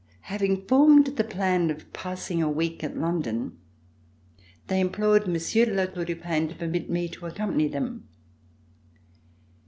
Having formed the plan of passing a week at London, they implored Monsieur de La Tour du Pin to permit me to accompany them.